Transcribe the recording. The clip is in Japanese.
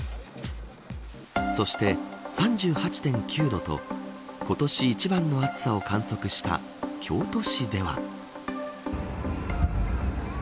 そして３８．９度と今年一番の暑さを観測した京都市では。